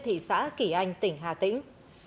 thị xã kỳ anh tỉnh hà tĩnh